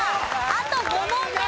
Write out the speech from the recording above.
あと５問です。